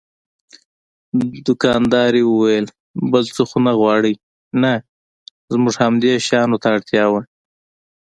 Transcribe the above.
دوکاندارې وویل: بل څه خو نه غواړئ؟ نه، زموږ همدې شیانو ته اړتیا وه.